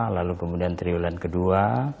lalu kemudian triwulan kedua